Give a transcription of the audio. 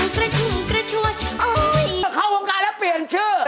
คว่างไปยังแดง